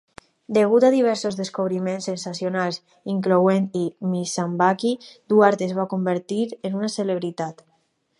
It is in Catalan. Degut a diversos descobriments sensacionals, incloent-hi "Miss Sambaqui", Duarte es va convertir en una celebritat.